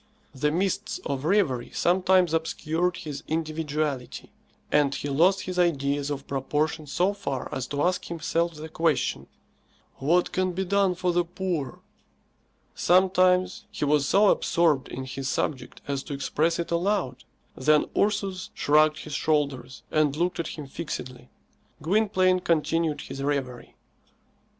The mists of reverie sometimes obscured his individuality, and he lost his ideas of proportion so far as to ask himself the question, "What can be done for the poor?" Sometimes he was so absorbed in his subject as to express it aloud. Then Ursus shrugged his shoulders and looked at him fixedly. Gwynplaine continued his reverie.